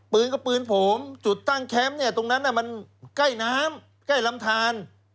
ปืนก็ปืนผมจุดตั้งแคมป์เนี่ยตรงนั้นมันใกล้น้ำใกล้ลำทาน